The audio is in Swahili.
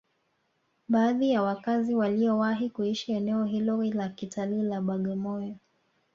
Baadhi ya wakazi waliowahi kuishi eneo hilo la kitalii la Bagamoyo